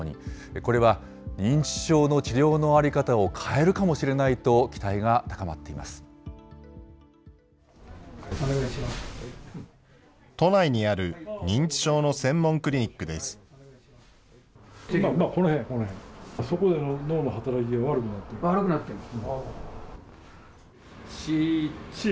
これは認知症の治療の在り方を変えるかもしれないと期待が高まっ都内にある認知症の専門クリニックです。